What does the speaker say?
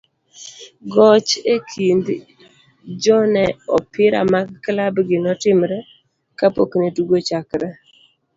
goch e kind jo ne opira mag klab gi notimre kapokne tugo ochakre,